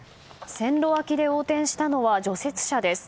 線路脇で横転したのは除雪車です。